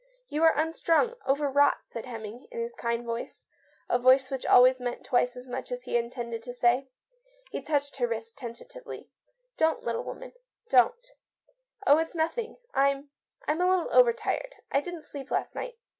"You are unstrung, overwrought," said Hemming, in his kind voice — a voice which always meant twice as much as he intended to say. He touched her wrist tentatively. " Don't, little woman, don't." " Oh, it's nothing. I'm — I'm a little over tired. I didn't sleep last night.